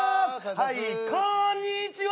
はいこんにちは！